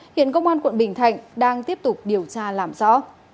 hiện công an quận bình thạnh đang tiếp tục điều tra làm rõ